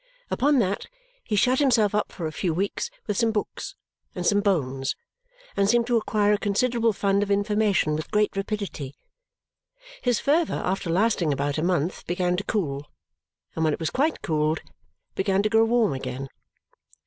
Upon that, he shut himself up for a few weeks with some books and some bones and seemed to acquire a considerable fund of information with great rapidity. His fervour, after lasting about a month, began to cool, and when it was quite cooled, began to grow warm again.